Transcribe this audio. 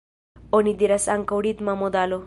Oni diras ankaŭ ritma modalo.